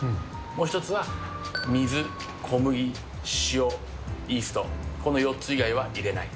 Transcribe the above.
もう一つは、水、小麦、塩、イースト、この４つ以外は入れない。